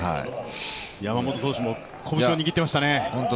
山本投手も拳を握っていましたね。